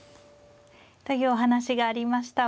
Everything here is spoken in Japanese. というお話がありました。